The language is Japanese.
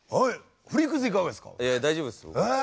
いや大丈夫です。